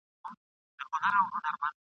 زړه نازړه په شمار اخلي د لحد پر لور ګامونه !.